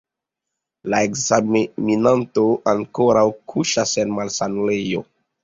La ekzaminanto ankoraŭ kuŝas en malsanulejo.